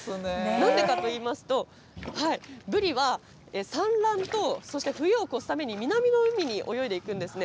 なんでかといいますと、ブリは産卵と、そして冬を越すために南の海に泳いでいくんですね。